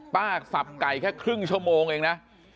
สับไก่แค่ครึ่งชั่วโมงเองนะ